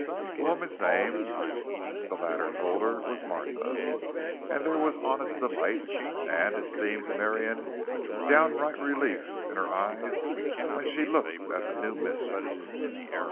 The woman's name, the latter told her, was Martha, and there was honest delight—and, it seemed to Marion, downright relief in her eyes when she looked at the new mistress.